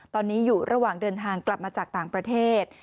ตอนนี้อยู่ระหว่างเดินทางกลับมาจากต่างประเทศ